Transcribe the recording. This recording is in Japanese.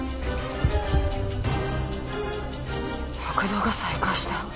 拍動が再開した。